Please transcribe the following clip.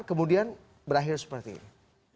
kemudian berakhir seperti ini